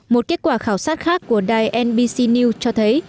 một kết quả khảo sát khác của đài nbc news cho thấy